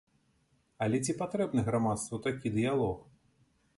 Але ці патрэбны грамадству такі дыялог?